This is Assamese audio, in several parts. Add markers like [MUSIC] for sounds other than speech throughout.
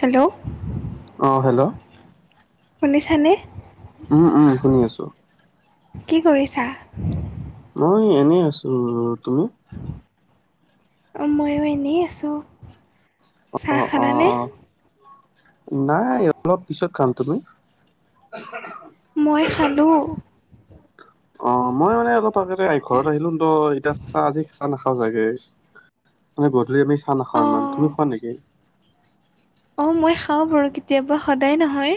হেল্ল' অঁ হেল্ল' শুনিছা নে? উম উম শুনি আছো। কি কৰিছা? মই এনেই আছো। তুমি? অ ময়ো এনেই আছো। অ অ অ নাই অলপ পিছত খাম। তুমি? [UNINTELLIGIBLE] মই খালোঁ। অ মই মানে অলপ আগেতে ঘৰত আহিলো ত এতিা চাহ আজি চাহ নাখাও চাগে। মান গধূলি আমি চাহ অ নাখাও ইমান তুমি খোৱা নেকি? অঁ মই খাওঁ বাৰু কেতিয়াবা সদায় নহয়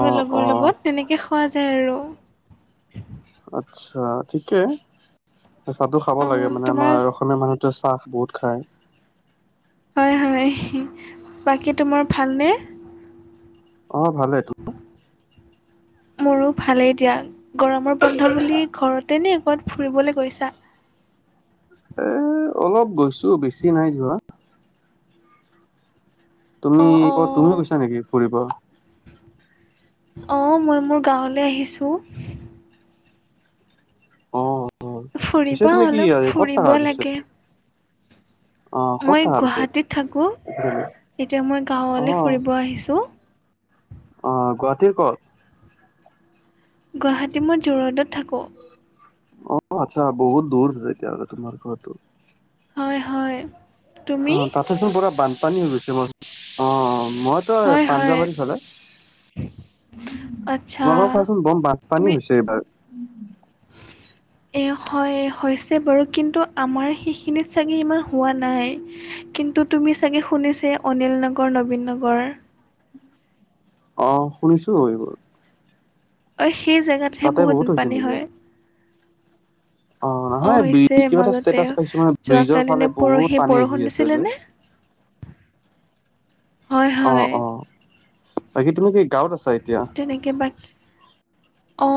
অ অ লগৰ লগত। তেনেকৈ খোৱা যায় আৰু। আচ্ছা ঠিকে চাহটো খাব অ লাগে মানে তোমাৰ আমাৰ। অসমীয়া মানুহটে চাহ বহুত খায়। হয় হয় বাকী তোমাৰ ভালনে? অঁ ভালে। [UNINTELLIGIBLE] মোৰো ভালেই দিয়া গৰমৰ বন্ধ বুলি ঘৰতে নি ক'বাত ফুৰিবলৈ গৈছা? এ অলপ গৈছো বেছি নাই যোৱা। তুমি অ অ ক তুমিও কৈছা নেকি ফুৰিব? অঁ, মই মোৰ গাঁৱলৈ আহিছো। অ পিছে ফুৰিবা তুমি কি অলপ হয় ক'ত ফুৰিব থকা পিছে। লাগে। অ ক'ত মই থাকা পিছে গুৱাহাটীত থাকো এতিয়া মই গাঁৱলে অ ফুৰিব আহিছো। অ গুৱাহাটীৰ ক'ত, গুৱাহাটী মই জোৰদত থাকো। অ আচ্ছা বহুত দূৰ যে এতিয়া আ তোমাৰ ঘৰ টো, হয় হয়। তুমি অ তাতেছোন পুৰা বানপানী হৈ গৈছে অ মই তই হয় হয় পাঞ্জাবাৰীৰ ফালে। আচ্ছা তোমালোকৰ কোৱাচোন বম তুমি বানপানী হৈছে এইবাৰ। [UNINTELLIGIBLE] এ হয় হৈছে বাৰু কিন্তু আমাৰ সেইখিনিত চাগে ইমান হোৱা নাই। কিন্তু তুমি চাগে শুনিছে অনিল নগৰ নবীন নগৰ। অ শুনিছো এইবোৰ, অ সেই জেগাতেহে তাতে বহুত হৈছে পানী নেকি হয়। অ নহয় হৈছে ব্ৰিজ কিবা এটা মাজতে ষ্টেটাচ পাইছো মানে যোৱা ব্ৰিজৰ ফালে কালিনে বহুত পৰহি পানী আহি বৰষুণ আছে দিছিলে যে নে, [INAUDIBLE] হয় অ হয় অ বাকী তুমি কি গাঁৱত আছা এতিয়া। তেনেকে বাকী অ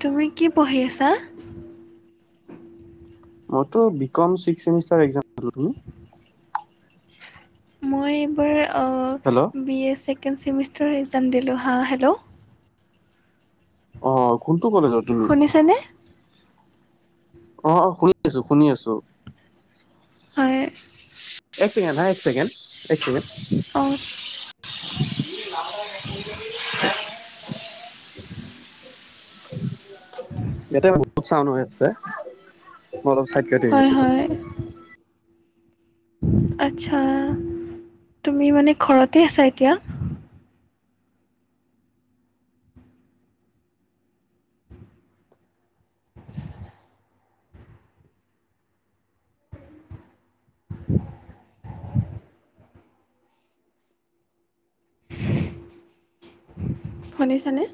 তুমি কি পঢ়ি আছা। মইটো বি কম ছিক্স চেমিষ্টাৰ এক্সাম দিলো তুমি, মই এইবাৰ hello B A second semester exam দিলোঁ হা হেল্ল'। অ কোনটো কলেজত। শুনিছানে। অ অ শুনি আছো শুনি আছো। [UNINTELLIGIBLE] এক ছেকেণ্ড হা এক ছেকেণ্ড এক ছেকেণ্ড, অঁ [UNINTELLIGIBLE] [INAUDIBLE] [UNINTELLIGIBLE] ইয়াতে বহুত চাউণ্ড হৈ আছে মই অলপ চাইড কাতি হয় দিছো। হয় আচ্ছা তুমি মানে ঘৰতে আছা এতিয়া। [INAUDIBLE] শুনিছানে।